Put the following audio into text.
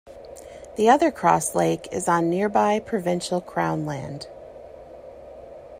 The other Cross Lake is on nearby provincial Crown land.